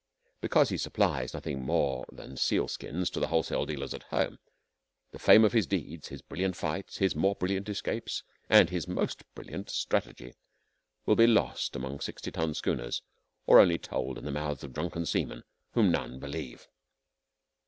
Because he supplies nothing more than sealskins to the wholesale dealers at home, the fame of his deeds, his brilliant fights, his more brilliant escapes, and his most brilliant strategy will be lost among sixty ton schooners, or told only in the mouths of drunken seamen whom none believe.